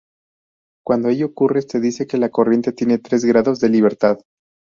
Cuando ello ocurre se dice que la corriente tiene tres grados de libertad.